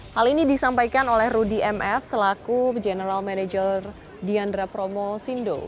hal ini disampaikan oleh rudy mf selaku general manager diandra promo sindo